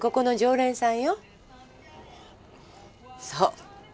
そう。